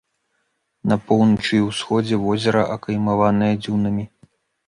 На поўначы і ўсходзе возера акаймаванае дзюнамі.